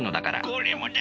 これもだ！